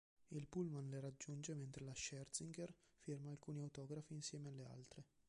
Il pullman le raggiunge mentre la Scherzinger firma alcuni autografi insieme alle altre.